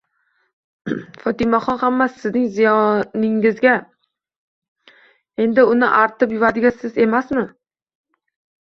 Fotimaxon, hammasi sizning ziyoningizga. Endi uni artib-yuvadigan siz emasmi?